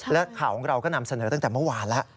และข่าวของเราก็นำเสนอตั้งแต่เมื่อวานแล้ว